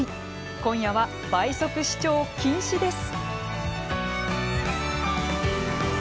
今夜は倍速視聴、禁止です。